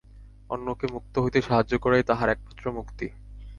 অন্যকে মুক্ত হইতে সাহায্য করাই তাহার একমাত্র মুক্তি।